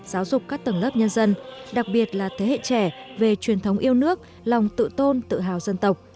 giáo dục các tầng lớp nhân dân đặc biệt là thế hệ trẻ về truyền thống yêu nước lòng tự tôn tự hào dân tộc